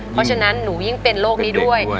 เพราะฉะนั้นหนูยิ่งเป็นโรคนี้ด้วย